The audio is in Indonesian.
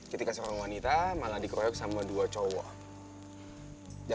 ketika seorang wanita malah dikeroyok sama dua cowok